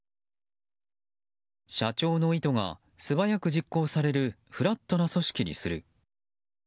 社長の意図が素早く実行されるフラットな組織にする。